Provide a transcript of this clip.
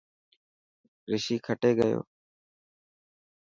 رشي کٽي گيو.